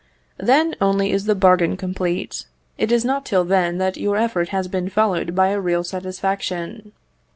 Then only is the bargain complete; it is not till then that your effort has been followed by a real satisfaction.